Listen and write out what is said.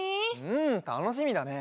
うんたのしみだね。